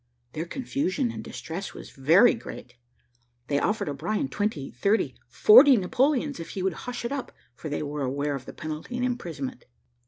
Their confusion and distress was very great. They offered O'Brien twenty, thirty, forty Napoleons, if he would hush it up, for they were aware of the penalty and imprisonment.